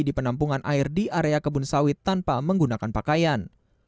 di penampungan air di area kebun sawit tanpa menggunakan pakaian